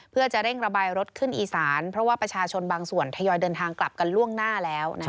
เพื่อจะเร่งระบายรถขึ้นอีสานเพราะว่าประชาชนบางส่วนทยอยเดินทางกลับกันล่วงหน้าแล้ว